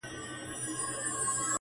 پټه خوله وځم له بې قدره بازاره,